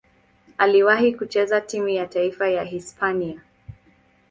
Aliwahi kucheza timu ya taifa ya Hispania.